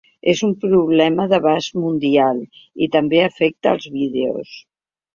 És un problema d’abast mundial i també afecta els vídeos.